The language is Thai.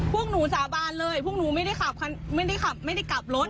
พวกหนูสาบานเลยพวกหนูไม่ได้ขับไม่ได้กลับรถ